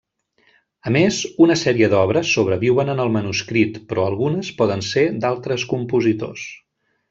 A més, una sèrie d'obres sobreviuen en el manuscrit, però algunes poden ser d'altres compositors.